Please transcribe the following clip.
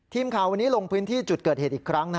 ทีมข่าววันนี้ลงพื้นที่จุดเกิดเหตุอีกครั้ง